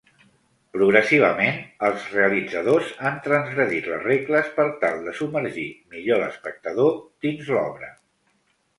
Progressivament, els realitzadors han transgredit les regles per tal de submergir millor l'espectador dins l'obra.